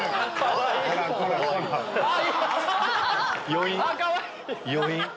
余韻？